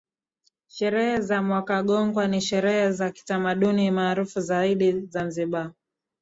Sherehe za mwakakogwa ni sherehe za kiutamaduni maarufu zaidi Zanzibar